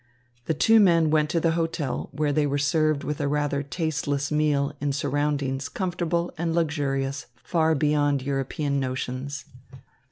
The two men went to the hotel, where they were served with a rather tasteless meal in surroundings comfortable and luxurious far beyond European notions.